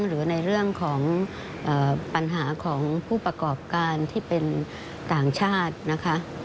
หรือในเรื่องของปัญหาของผู้ประกอบการที่เป็นต่างชาตินะคะ